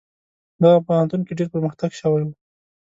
دغه پوهنتون کې ډیر پرمختګ شوی و.